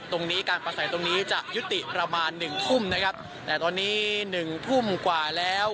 ตรงนี้การประสัยตรงนี้จะยุติประมาณหนึ่งทุ่มนะครับแต่ตอนนี้หนึ่งทุ่มกว่าแล้ว